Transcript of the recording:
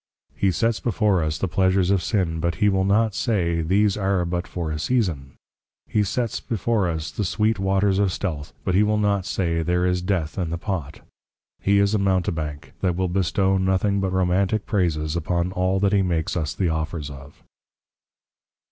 He sets before us, The Pleasures of Sin; but he will not say, These are but for a Season. He sets before us, The sweet Waters of Stealth; but he will not say, There is Death in the Pot. He is a Mountebank, that will bestow nothing but Romantic Praises upon all that he makes us the Offers of.